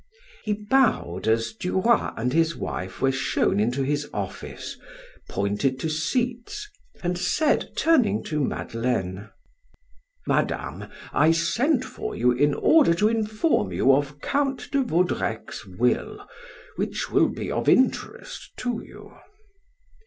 He bowed, as Du Roy and his wife were shown into his office, pointed to seats, and said, turning to Madeleine: "Madame, I sent for you in order to inform you of Count de Vaudrec's will, which will be of interest to you."